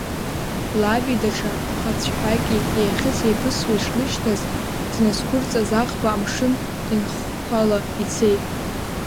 Лаби даҽа хацәқәаки еихьыс-еиԥысуа ишлышьҭаз, дназқәырҵаз аӷба амшын инхыхәхәала ицеит.